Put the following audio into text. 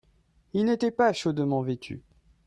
Il n'était pas chaudement vêtu.